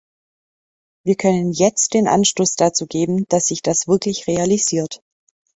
Wir können jetzt den Anstoß dazu geben, dass sich das wirklich realisiert.